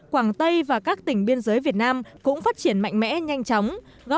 quảng tây và các tỉnh biên giới việt nam cũng phát triển mạnh mẽ nhanh chóng